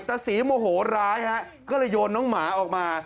ตะศรีโมโหร้ายฮะก็เลยโยนน้องหมาออกมา